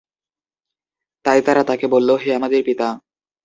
তাই তারা তাকে বলল, হে আমাদের পিতা!